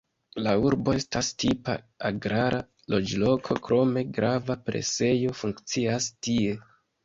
La urbo estas tipa agrara loĝloko, krome grava presejo funkcias tie.